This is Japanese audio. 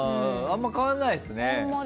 あまり変わらないですね。